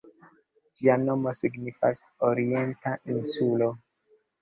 Ĝia nomo signifas "Orienta insulo".